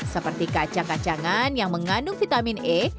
seperti kacang kacangan yang mengandung vitamin e